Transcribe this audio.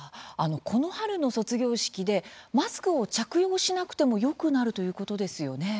この春の卒業式でマスクを着用しなくてもよくなるということですよね？